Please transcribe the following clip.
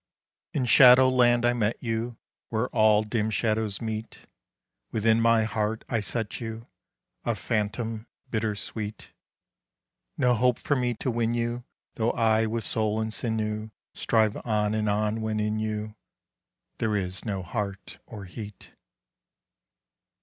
In Shadowland I met you Where all dim shadows meet; Within my heart I set you, A phantom bitter sweet: No hope for me to win you, Though I with soul and sinew Strive on and on, when in you There is no heart or heat!